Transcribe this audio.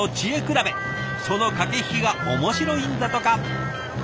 その駆け引きが面白いんだとか。